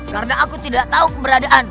karena aku tidak tahu keberadaanmu